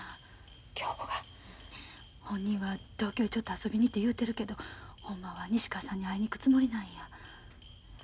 本人は東京へちょっと遊びにて言うてるけどほんまは西川さんに会いに行くつもりなんや。